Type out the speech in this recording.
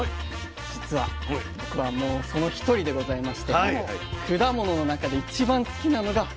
じつは僕はもうその一人でございまして果物の中で一番好きなのがなしと。